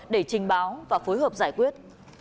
để trình báo và phối hợp giải quyết